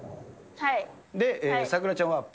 はい。